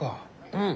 うん。